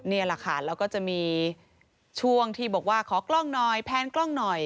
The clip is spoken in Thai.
นี่แหละค่ะแล้วก็จะมีช่วงที่บอกว่าขอกล้องหน่อยแพนกล้องหน่อย